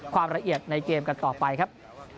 ความละเอียดในเกมกันต่อไปครับ